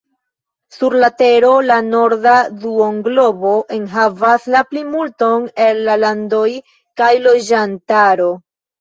Sur la tero la norda duonglobo enhavas la plimulton el la landoj kaj loĝantaro.